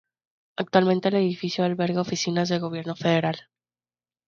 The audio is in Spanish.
Actualmente el edificio alberga oficinas del gobierno federal.